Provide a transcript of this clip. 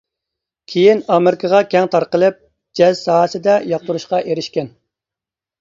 كېيىن ئامېرىكىغا كەڭ تارقىلىپ جەز ساھەسىدە ياقتۇرۇشقا ئېرىشكەن.